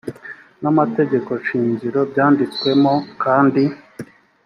namategeko shingiro byanditsemo kandi